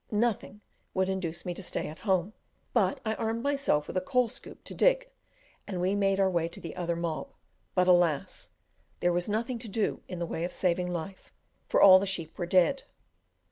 Nothing would induce me to stay at home, but I armed myself with a coal scoop to dig, and we made our way to the other "mob;" but, alas! there was nothing to do in the way of saving life, for all the sheep were dead.